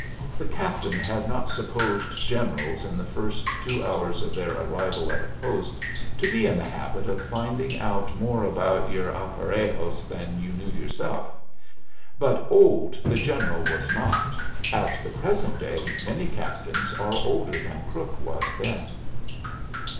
The captain had not supposed generals in the first two hours of their arrival at a post to be in the habit of finding out more about your aparejos than you knew yourself. But old the General was not. At the present day many captains are older than Crook was then.